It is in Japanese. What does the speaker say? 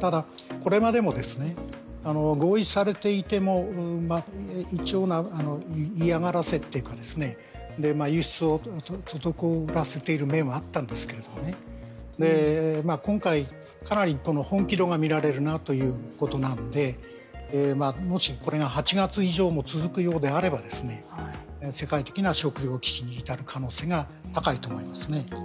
ただこれまでも、合意されていても一応嫌がらせというかで、輸出を滞らせている面はあったんですけれども今回、かなり本気度が見られるなということなので、もしこれが８月以降も続くのであれば世界的な食料危機に至る可能性が高いと思いますね。